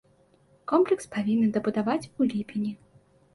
Комплекс павінны дабудаваць у ліпені.